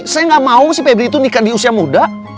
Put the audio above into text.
saya nggak mau si pebri itu nikah di usia muda